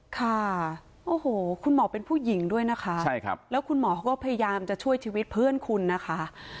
ค่ะโอ้โหคุณหมอเป็นผู้หญิงด้วยนะคะใช่ครับแล้วคุณหมอเขาก็พยายามจะช่วยชีวิตเพื่อนคุณนะคะ